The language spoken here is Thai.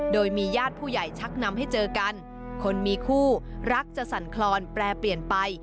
โดยมีญาติผู้ใหญ่ชักนำให้เจอกันคนมีคู่รักจะสั่นคลอนแปรเปลี่ยนไป